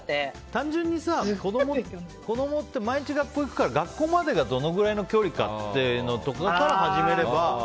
単純に子供って毎日学校に行くから学校までがどのぐらい距離かっていうところから始めれば。